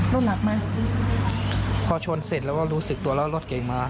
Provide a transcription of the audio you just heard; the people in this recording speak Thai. รถหนักไหมพอชนเสร็จแล้วก็รู้สึกตัวแล้วรถเก่งมา